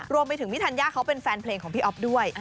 รวมไปถึงพี่ธัญญาเขาเป็นแฟนเพลงของพี่อ๊อฟด้วย